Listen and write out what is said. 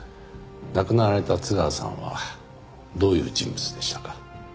亡くなられた津川さんはどういう人物でしたか？